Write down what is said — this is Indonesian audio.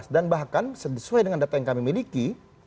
dan bahkan sesuai dengan data yang kami miliki